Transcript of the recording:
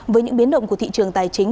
với những biến động của thị trường tài chính